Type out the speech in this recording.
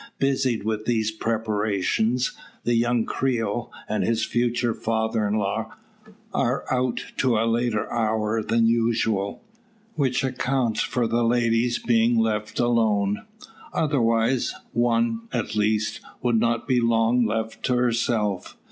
Busied with these preparations, the young Creole, and his future father in law, are out to a later hour than usual, which accounts for the ladies being left alone. Otherwise, one, at least, would not be long left to herself.